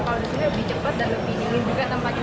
kalau di sini lebih cepat dan lebih nyaman